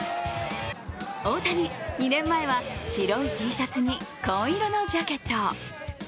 大谷、２年前は白いＴシャツに紺色のジャケット。